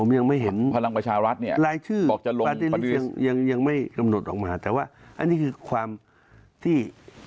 ยังไม่ได้จำนวนออกมาแต่ว่าอันนี้ความที่